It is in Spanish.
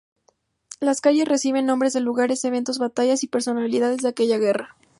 Las calles reciben nombres de lugares, eventos, batallas y personalidades de aquella guerra.